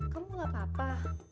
kamu gak apa apa